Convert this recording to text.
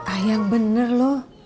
ah yang bener loh